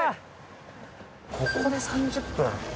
ここで３０分。